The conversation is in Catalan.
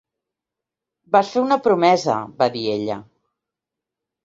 "Vas fer una promesa", va dir-li ella.